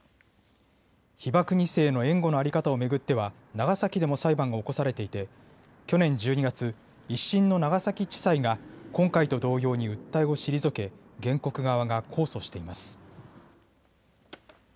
被爆２世の援護の在り方を巡っては長崎でも裁判が起こされていて去年１２月、１審の長崎地裁が今回と同様に訴えを退け、原告側が控訴しています。